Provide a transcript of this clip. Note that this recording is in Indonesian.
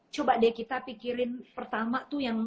coba deh kita pikirin pertama tuh yang